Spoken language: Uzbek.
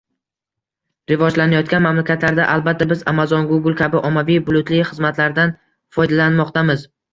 Rivojlanayotgan mamlakatlarda, albatta, biz Amazon, Google kabi ommaviy bulutli xizmatlardan foydalanmoqdamiz.